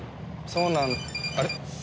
そうなんあれ？